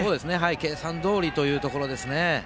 計算どおりというところですね。